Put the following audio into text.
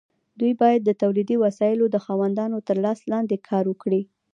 دوی باید د تولیدي وسایلو د خاوندانو تر لاس لاندې کار وکړي.